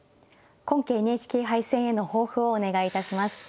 今期ＮＨＫ杯戦への抱負をお願いいたします。